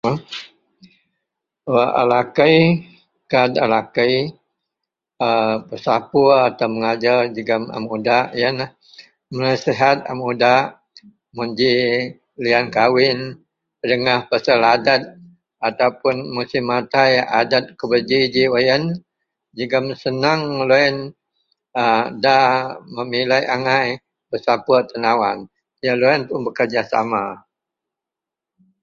Wak a lakei, kaad a lakei a pesapuor atau mengajer jegem a mudak yenlah, menasihat a mudak mun ji liyan kawin, pedengah pasel adet ataupun musim matai adet kubeji ji wak yen jegem seneng loyen a nda memiliek angai pesapuor tenawan. Loyen pun bekerejasama.